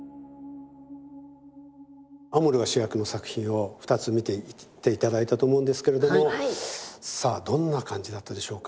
アモルが主役の作品を２つ見て頂いたと思うんですけれどもさあどんな感じだったでしょうか。